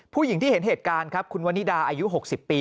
ผู้หญิงที่เห็นเหตุการณ์ครับคุณวันนิดาอายุ๖๐ปี